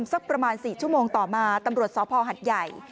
สักประมาณ๔ชั่วโมงต่อมาตำรวจสพหัดใหญ่